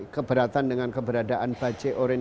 keberatan dengan keberadaan bajai orange